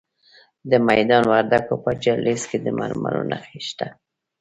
د میدان وردګو په جلریز کې د مرمرو نښې شته.